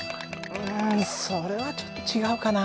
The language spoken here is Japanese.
うんそれはちょっと違うかな。